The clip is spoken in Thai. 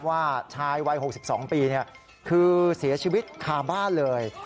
ว่าชายวัย๖๒ปีคือเสียชีวิตคาบ้านเลย